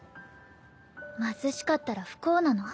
貧しかったら不幸なの？